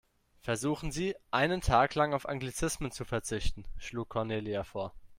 Versuchen Sie, einen Tag lang auf Anglizismen zu verzichten, schlug Cornelia vor.